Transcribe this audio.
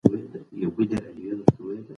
تعلیم د شراکتونو د پیاوړتیا لپاره ضروری دی.